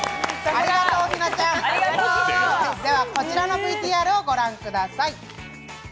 では、こちらのＶＴＲ御覧ください。